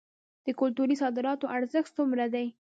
د کلتوري صادراتو ارزښت څومره دی؟